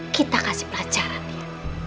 kita kasih pelajaran dia